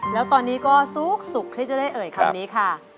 แล้วตอนนี้ก็สุขที่จะได้เอ่ยคำนี้ค่ะ